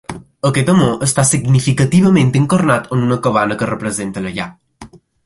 Aquest amor està significativament encarnat en una cabana, que representa la llar.